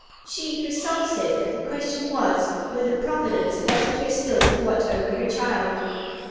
She herself said that the question was, whether Providence wanted her still to watch over her child.